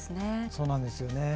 そうなんですよね。